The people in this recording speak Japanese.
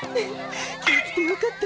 今日来てよかった。